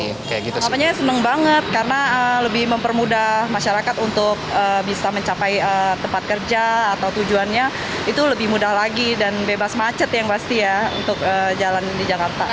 kayaknya senang banget karena lebih mempermudah masyarakat untuk bisa mencapai tempat kerja atau tujuannya itu lebih mudah lagi dan bebas macet yang pasti ya untuk jalan di jakarta